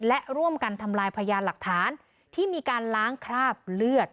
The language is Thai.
และร่วมกันทำลายพยานหลักฐานที่มีการล้างคราบเลือด